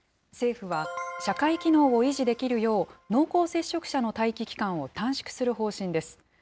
政府は社会機能を維持できるよう、濃厚接触者の待機期間を短縮する方針です。